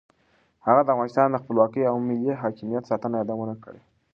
هغه د افغانستان د خپلواکۍ او ملي حاکمیت ساتنه یادونه کړې.